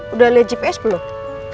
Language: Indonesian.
udah liat gps beluh